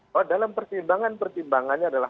bahwa dalam pertimbangan pertimbangannya adalah